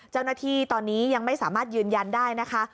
เจ้าหน้าที่ตอนนี้ยังไม่สามารถยืนยันได้นะคะ